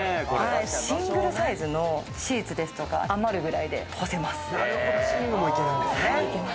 シングルサイズのシーツですとか余るくらいで干せます。